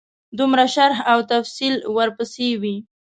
دومره شرح او تفصیل ورپسې وي.